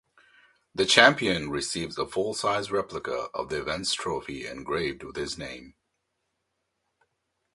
The champion receives a full-size replica of the event's trophy engraved with his name.